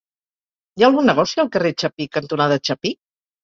Hi ha algun negoci al carrer Chapí cantonada Chapí?